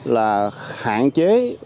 là hạn chế